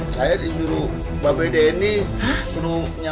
saya disuruh babai danny